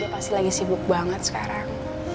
pasti lagi sibuk banget sekarang